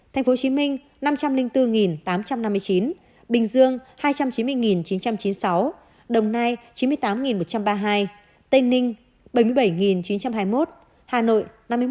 tp hcm năm trăm linh bốn tám trăm năm mươi chín bình dương hai trăm chín mươi chín trăm chín mươi sáu đồng nai chín mươi tám một trăm ba mươi hai tây ninh bảy mươi bảy chín trăm hai mươi một hà nội năm mươi một